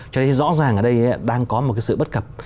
cho nên rõ ràng ở đây đang có một sự bất cập